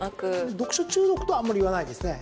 読書中毒とはあまり言わないですね。